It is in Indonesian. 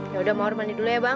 yaudah mawar mandi dulu ya bang